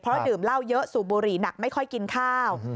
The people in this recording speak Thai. เพราะดื่มเหล้าเยอะสูบบุหรี่หนักไม่ค่อยกินข้าว